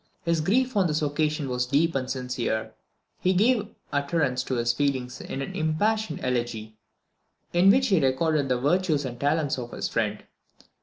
His grief on this occasion was deep and sincere, and he gave utterance to his feelings in an impassioned elegy, in which he recorded the virtues and talents of his friend.